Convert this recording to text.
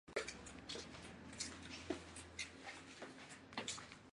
努沃勒埃利耶区是斯里兰卡中央省的一个区。